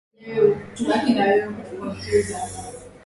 Kampala ni miongoni mwa miji yenye hewa chafu ulimwengun